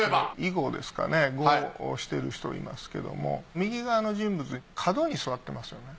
碁をしてる人いますけども右側の人物角に座ってますよね。